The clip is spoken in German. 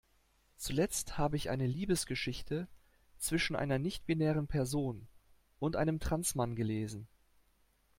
Zuletzt habe ich eine Liebesgeschichte zwischen einer nichtbinären Person und einem Trans-Mann gelesen.